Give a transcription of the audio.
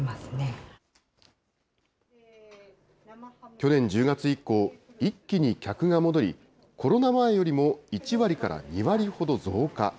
去年１０月以降、一気に客が戻り、コロナ前よりも１割から２割ほど増加。